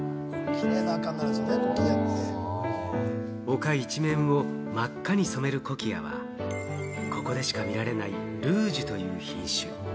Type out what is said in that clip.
丘一面を真っ赤に染めるコキアは、ここでしか見られないルージュという品種。